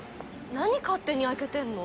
何勝手に開けてんの？